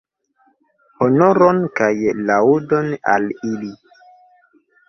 Honoron kaj laŭdon al ili!